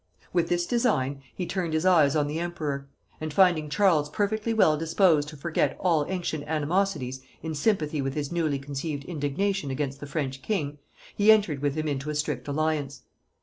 With this design he turned his eyes on the emperor; and finding Charles perfectly well disposed to forget all ancient animosities in sympathy with his newly conceived indignation against the French king, he entered with him into a strict alliance.